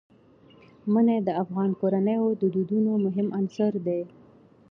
منی د افغان کورنیو د دودونو مهم عنصر دی.